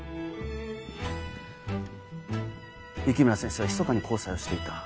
雪村先生はひそかに交際をしていた。